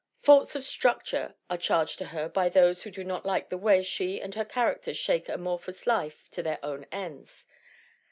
Faults of structure are charged to her by those who do not like the way she and her characters shape amorphous life to their own ends.